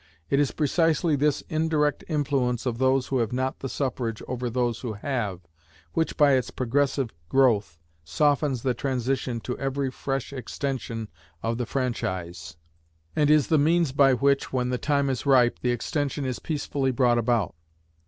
It is precisely this indirect influence of those who have not the suffrage over those who have, which, by its progressive growth, softens the transition to every fresh extension of the franchise, and is the means by which, when the time is ripe, the extension is peacefully brought about.